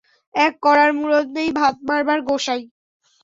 এক কড়ার মুরদ নেই, ভাত মারবার গোঁসাই।